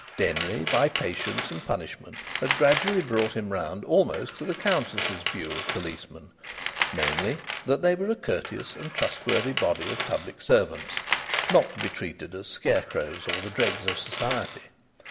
Denry, by patience and punishment, had gradually brought him round almost to the Countess's views of policemen namely, that they were a courteous and trustworthy body of public servants, not to be treated as scarecrows or the dregs of society.